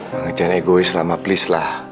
jangan egois ma please lah